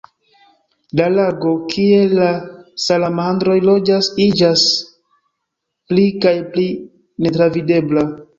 La lago kie la salamandroj loĝas iĝas pli kaj pli netravidebla.